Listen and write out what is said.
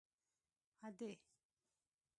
_ادې!!!